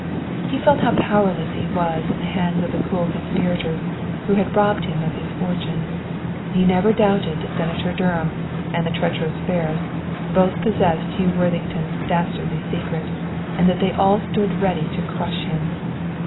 He felt how powerless he was in the hands of the cruel conspirators who had robbed him of his fortune. He never doubted that Senator Durham and the treacherous Ferris both possessed Hugh Worthington's dastardly secret, and that they all stood ready to crush him.